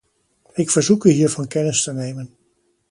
Ik verzoek u hiervan kennis te nemen.